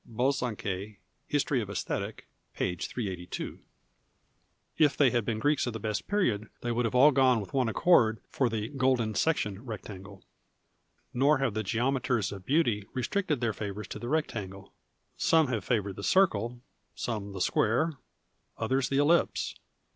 (Bosanquet : "History of Esthetic," p. 382.) If they had been Greeks of the best period, they would have all gone with one accord for the " golden section '' rectangle. Nor have the geometers of beauty restricted their favours to the rectangle. Some have favoured the eirele, some the square, others the ellipse.